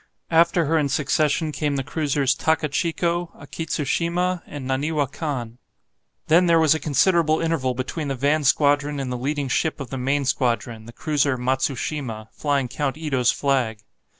After her in succession came the cruisers "Takachico," "Akitsushima," and "Naniwa Kan." Then there was a considerable interval between the van squadron and the leading ship of the main squadron, the cruiser "Matsushima," flying Count Ito's flag.